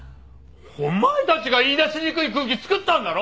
お前たちが言いだしにくい空気つくったんだろ！